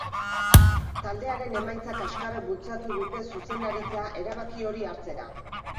Taldearen emaitza kaskarrek bultzatu dute zuzendaritza erabaki hori hartzera.